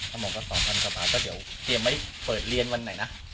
ห้าม่อสกับ๒๐๐๐สาวแล้วก็เดี๋ยวพร้อมเปิดเรียนวันไหนนะ